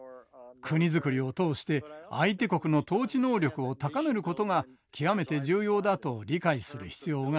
国づくりを通して相手国の統治能力を高めることが極めて重要だと理解する必要があります。